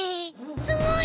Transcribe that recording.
すごい！